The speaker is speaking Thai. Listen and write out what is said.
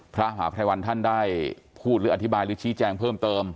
พระมหาภัยวันท่านได้พูดหรืออธิบายหรือชี้แจงเพิ่มเติม